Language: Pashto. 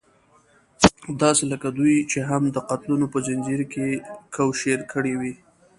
داسې لکه دوی چې هم د قتلونو په ځنځير کې کوشير کړې وي.